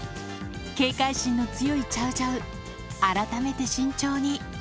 警戒心の強いチャウチャウ、改めて慎重に。